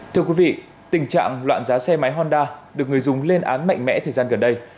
thưa quý vị tình trạng loạn giá xe máy honda được người dùng lên án mạnh mẽ thời gian gần đây